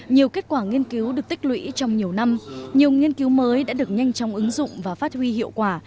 nhiều kết quả nghiên cứu được tích lũy trong nhiều năm nhiều nghiên cứu mới đã được nhanh chóng ứng dụng và phát huy hiệu quả